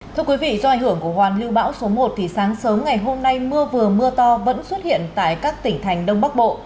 thưa quý vị do ảnh hưởng của hoàn lưu bão số một thì sáng sớm ngày hôm nay mưa vừa mưa to vẫn xuất hiện tại các tỉnh thành đông bắc bộ